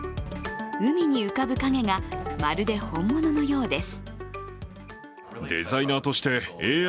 海に浮かぶ影がまるで本物のようです。